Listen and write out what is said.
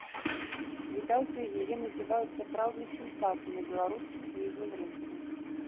Выдаўцы яе называюць сапраўднай сенсацыяй на беларускім кніжным рынку.